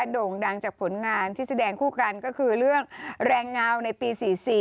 โด่งดังจากผลงานที่แสดงคู่กันก็คือเรื่องแรงเงาในปี๔๔